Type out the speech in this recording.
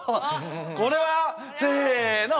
これはせの！